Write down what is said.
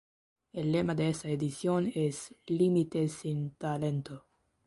El lema de esta edición es: ""Límites sin talento"".